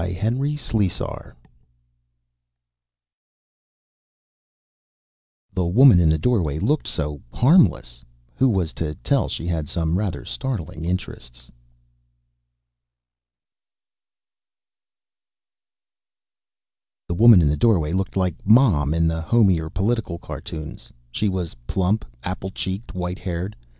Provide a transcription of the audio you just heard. HENRY SLESAR_ The woman in the doorway looked so harmless. Who was to tell she had some rather startling interests? The woman in the doorway looked like Mom in the homier political cartoons. She was plump, apple cheeked, white haired.